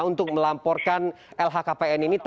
untuk melamporkan lhkpn ini